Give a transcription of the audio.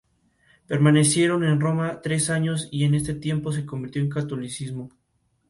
Participaron de importantes festivales como el "Primer Festival Rock and Pop".